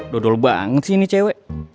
dodol banget sih ini cewek